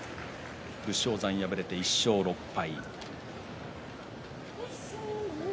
武将山、敗れて１勝６敗。